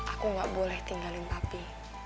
aku gak boleh tinggalin papi